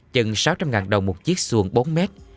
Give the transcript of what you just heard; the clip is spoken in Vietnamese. chừng sáu trăm linh đồng một chiếc xuồng bốn mét